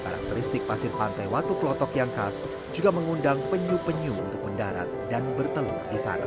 karakteristik pasir pantai watu klotok yang khas juga mengundang penyu penyu untuk mendarat dan bertelur di sana